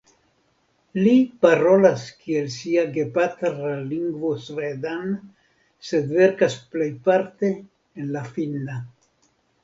Li parolas kiel sia gepatra lingvo svedan sed verkas plejparte en finna.